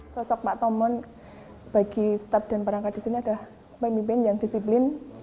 sosok pak tomon bagi staf dan perangkat di sini adalah pemimpin yang disiplin